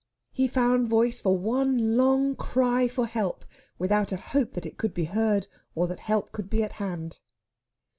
He found voice for one long cry for help, without a hope that it could be heard or that help could be at hand.